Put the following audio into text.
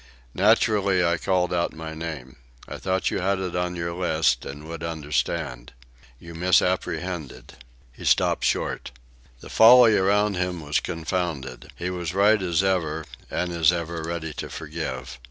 Naturally I called out my name. I thought you had it on your list, and would understand. You misapprehended." He stopped short. The folly around him was confounded. He was right as ever, and as ever ready to forgive.